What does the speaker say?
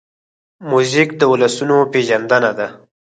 موزیک د ولسونو پېژندنه ده.